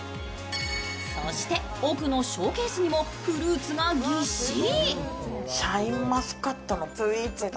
そして、奥のショーケースにもフルーツがぎっしり。